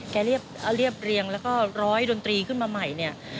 เรียบเรียงแล้วก็ร้อยดนตรีขึ้นมาใหม่เนี่ย